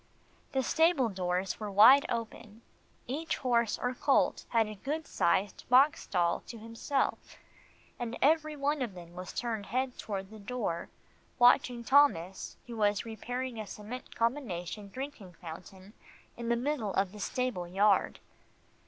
The stable doors were wide open. Each horse or colt had a good sized box stall to himself, and every one of them was turned head toward the door, watching Thomas who was repairing a cement combination drinking fountain in the middle of the stable yard.